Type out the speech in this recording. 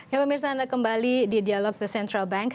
ya pemirsa anda kembali di dialog the central bank